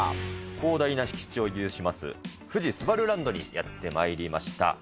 広大な敷地を有します、富士すばるランドにやってまいりました。